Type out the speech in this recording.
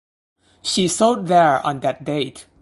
She sold there on that date.